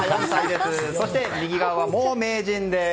そして右側も名人です